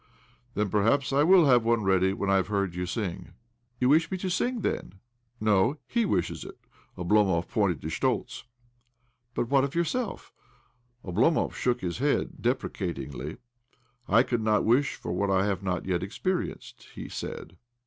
" Then perhaps I will have one ready when I have heard you sing." ' .You wish me to sing, then?" ' No; he wishes it." Oblomov pointed to Schtoltz. "But what of yourself?" Oblomov shook his head deprecatingly. " I could not wish for what I have not yet experienced," he said.